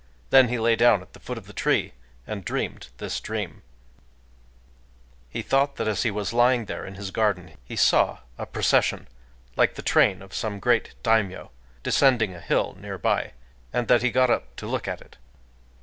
Then he lay down at the foot of the tree, and dreamed this dream:— He thought that as he was lying there in his garden, he saw a procession, like the train of some great daimyō descending a hill near by, and that he got up to look at it.